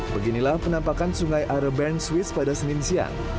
beginilah penampakan sungai arabain swiss pada senin siang